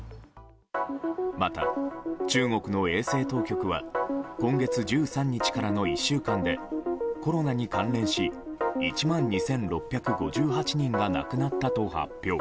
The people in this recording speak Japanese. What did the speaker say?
また、中国の衛生当局は今月１３日からの１週間でコロナに関連し１万２６５８人が亡くなったと発表。